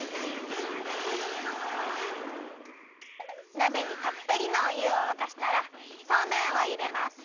なべにたっぷりのおゆをわかしたらそうめんをいれます。